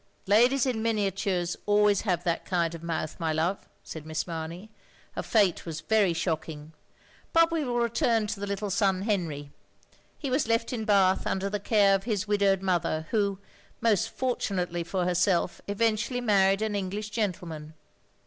"Ladies in miniatures always have that kind of mouth, my love," said Miss Mamey. "Her fate was very shocking. But we will return to the little son Henry. He was left in Bath under the care of his widowed mother, who, most fortunately for herself, eventually married an English gentleman."